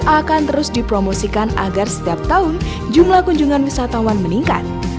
akan terus dipromosikan agar setiap tahun jumlah kunjungan wisatawan meningkat